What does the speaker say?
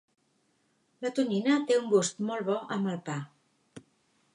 La tonyina té un gust molt bo amb el pa.